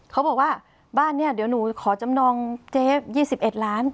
เขาบอกว่าบ้านนี้เดี๋ยวหนูขอจำนองเจ๊๒๑ล้าน